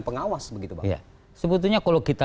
pengawas begitu bang sebetulnya kalau kita